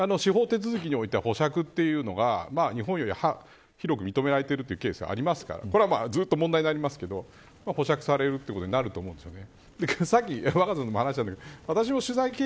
これは国際的に司法手続きにおいては保釈というのが、日本より広く認められているケースがありますからこれはずっと問題になりますけど保釈されるということになると思うんですね。